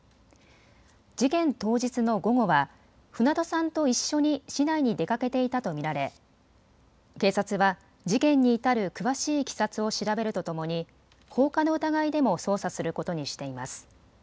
事件当日の午後は船戸さんと一緒に市内に出かけていたと見られ警察は事件に至る詳しいいきさつを調べるとともに放火の疑いでも捜査することにしています。